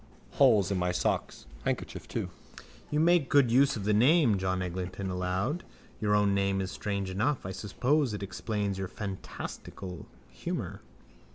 Holes in my socks. Handkerchief too. —You make good use of the name, John Eglinton allowed. Your own name is strange enough. I suppose it explains your fantastical humour.